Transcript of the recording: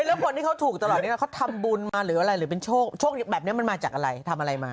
แล้วคนที่เขาถูกตลอดนี้เขาทำบุญมาหรืออะไรหรือเป็นโชคแบบนี้มันมาจากอะไรทำอะไรมา